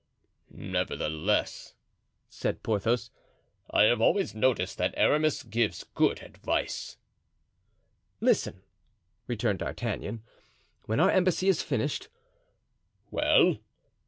"Nevertheless," said Porthos, "I have always noticed that Aramis gives good advice." "Listen," returned D'Artagnan, "when our embassy is finished——" "Well?"